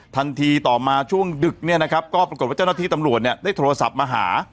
ต่อมาช่วงดึกเนี่ยนะครับก็ปรากฏว่าเจ้าหน้าที่ตำรวจได้โทรศัพท์มาหา